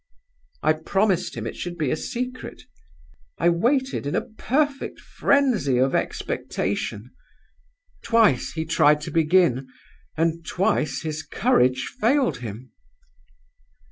"I promised him it should be a secret. I waited in a perfect frenzy of expectation. Twice he tried to begin, and twice his courage failed him.